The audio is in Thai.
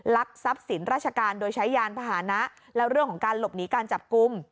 ทรัพย์สินราชการโดยใช้ยานพาหนะแล้วเรื่องของการหลบหนีการจับกลุ่ม